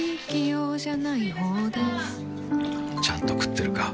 ちゃんと食ってるか？